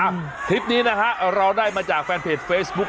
คลิปนี้นะฮะเราได้มาจากแฟนเพจเฟซบุ๊ค